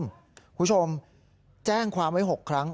คุณผู้ชมแจ้งความไว้๖ครั้ง